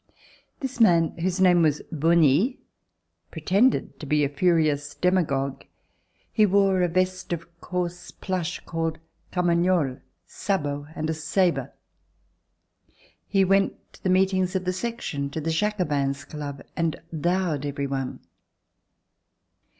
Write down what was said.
This man, whose name was Bonie, pretended to be a furious demagogue. He wore a vest of coarse plush, called carmagnole, sabots and a sabre. He went to the meetings of the Section, to the Jacobins' Club and "thoued" every one.